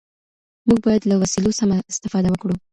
موږ بايد له وسيلو سمه استفاده وکړو.